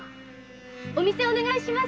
お店お願いします。